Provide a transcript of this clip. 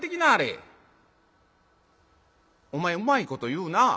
「お前うまいこと言うなぁ。